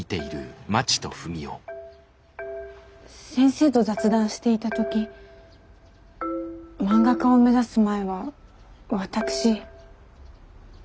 先生と雑談していた時漫画家を目指す前は私。